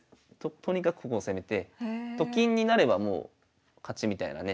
とにかくここを攻めてと金になればもう勝ちみたいなね